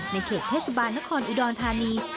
ในเขตเทศบาลนครอุดรธานี